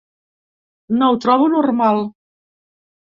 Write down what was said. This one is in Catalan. No ho trobo normal.